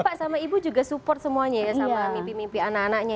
bapak sama ibu juga support semuanya ya sama mimpi mimpi anak anaknya